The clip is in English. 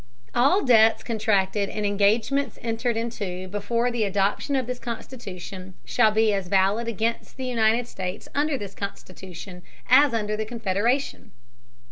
All Debts contracted and Engagements entered into, before the Adoption of this Constitution, shall be as valid against the United States under this Constitution, as under the Confederation.